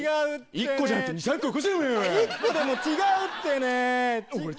１個でも違うってねぇ。